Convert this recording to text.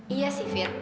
iya sih fit